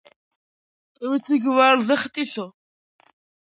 კვიცი გვარზე ხტისო